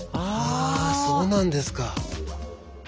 あそうなんですか。